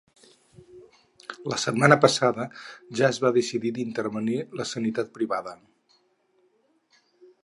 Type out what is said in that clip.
La setmana passada ja es va decidir d’intervenir la sanitat privada.